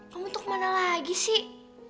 kamu tuh kemana lagi sih